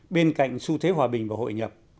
bên cạnh xu thế hòa bình và hội nhập